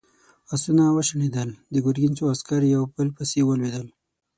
آسونه وشڼېدل، د ګرګين څو عسکر يو په بل پسې ولوېدل.